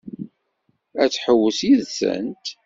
Ad tḥewwes yid-sent?